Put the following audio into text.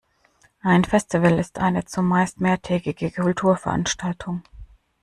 Ein Festival ist eine zumeist mehrtägige Kulturveranstaltung